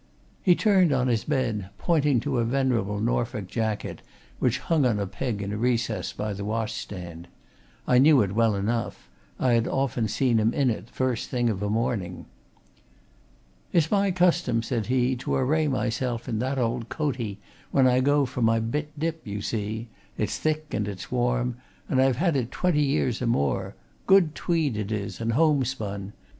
He turned on his bed, pointing to a venerable Norfork jacket which hung on a peg in a recess by the washstand. I knew it well enough: I had often seen him in it first thing of a morning. "It's my custom," said he, "to array myself in that old coatie when I go for my bit dip, you see it's thick and it's warm, and I've had it twenty years or more good tweed it is, and homespun.